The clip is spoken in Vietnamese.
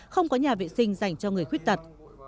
không có nhà vệ sinh dành cho người khuyết tật